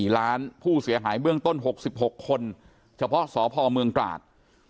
๔ล้านผู้เสียหายเบื้องต้น๖๖คนเฉพาะสพเมืองตราด